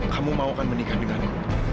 kamu mau kan menikah denganku